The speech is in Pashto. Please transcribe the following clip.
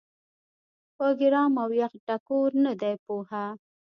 پۀ ګرم او يخ ټکور نۀ دي پوهه